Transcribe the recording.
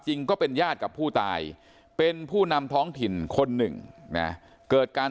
ก็เป็นญาติกับผู้ตายเป็นผู้นำท้องถิ่นคนหนึ่งนะเกิดการ